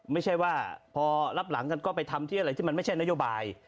ไม่ใช่ว่าพอรับหลังกันก็ไปทำที่อะไรที่มันไม่ใช่นโยบาย